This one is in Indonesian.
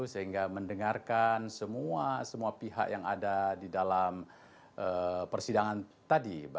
sehingga mendengarkan semua pihak yang ada di dalam persidangan tadi